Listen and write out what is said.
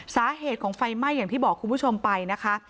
สาเหตุของไฟไหม้อย่างที่บอกคุณผู้ชมไปนะคะ